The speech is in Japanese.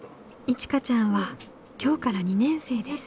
いちかちゃんは今日から２年生です。